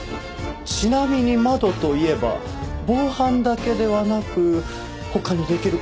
ちなみに窓といえば防犯だけではなく他にできる事があるんですが。